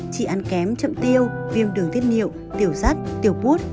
chị ăn kém chậm tiêu viêm đường tiết niệu tiểu sắt tiểu bút